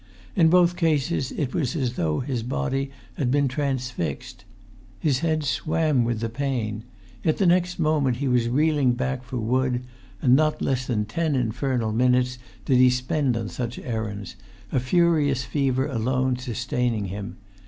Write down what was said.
In both cases it was as though his body had been transfixed. His head swam with the pain. Yet next moment he was reeling back for wood; and not less than ten infernal minutes did he spend on such errands, a furious fever alone sustaining him.